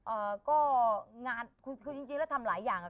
เอ่อก็งานคือคือจริงจริงแล้วทำหลายอย่างอ่ะ